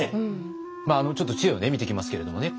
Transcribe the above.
まああのちょっと知恵を見ていきますけれどもね